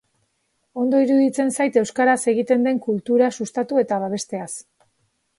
Ondo iruditzen zait euskaraz egiten den kultura sustatu eta babesteaz.